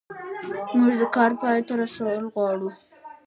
موږ د کار پای ته رسول غواړو.